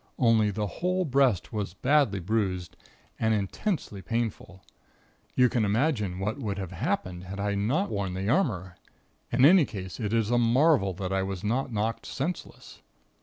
Only, the whole breast was badly bruised and intensely painful. You can imagine what would have happened if I had not worn the armor. In any case, it is a marvel that I was not knocked senseless.